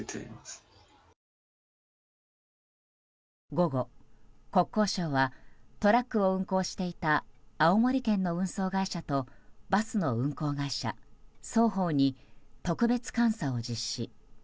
午後、国交省はトラックを運行していた青森県の運送会社とバスの運行会社双方に特別監査を実施。